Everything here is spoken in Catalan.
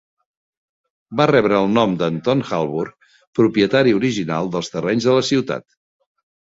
Va rebre el nom d'Anton Halbur, propietari original dels terrenys de la ciutat.